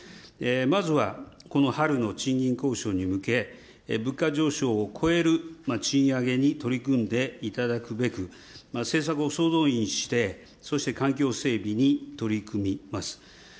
まずは、この春の賃金交渉に向け、物価上昇を超える賃上げに取り組んでいただくべく、政策を総動員して、そして環境整備に取り組みます。